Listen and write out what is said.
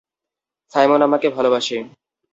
Simon আমাকে ভালোবাসে!